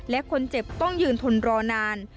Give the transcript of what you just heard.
และคนเจ็บต้องยืนทนรอนาน